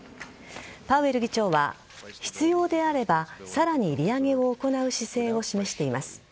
パウエル議長は必要であればさらに利上げを行う姿勢を示しています。